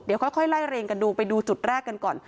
เดี๋ยวค่อยไล่เรียงกันดูไปดูจุดแรกกันก่อน